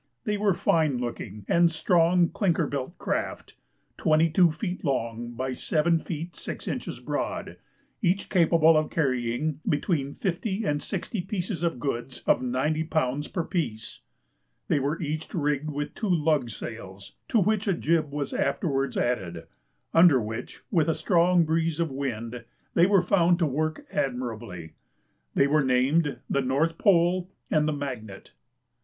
They were fine looking and strong clinker built craft, 22 feet long by 7 feet 6 inches broad, each capable of carrying between fifty and sixty pieces of goods of 90 lbs. per piece. They were each rigged with two lug sails, to which a jib was afterwards added; under which, with a strong breeze of wind, they were found to work admirably. They were named the "North Pole" and the "Magnet."